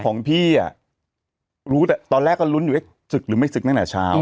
ของพี่อ่ะรู้แต่ตอนแรกก็ลุ้นอยู่เอ๊ะศึกหรือไม่ศึกตั้งแต่เช้า